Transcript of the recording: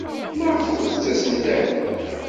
Maɣef ur d-ttasent ara?